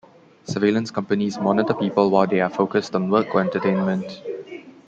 Surveillance companies monitor people while they are focused on work or entertainment.